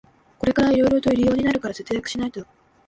これからいろいろと入用になるから節約しないと